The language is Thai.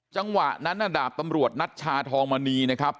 จังหวะนั้นดาบตำรวจนัชชาทองมณีนะครับ